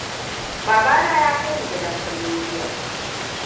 Babana ya kaini gidan kallo jiya.